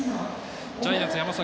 ジャイアンツ、山崎。